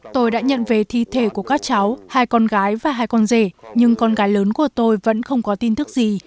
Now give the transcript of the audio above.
tôi đã nhận về thi thể của các cháu hai con gái và hai con rể nhưng con gái lớn của tôi vẫn không có tin thức gì